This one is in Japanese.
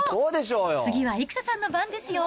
次は生田さんの番ですよ。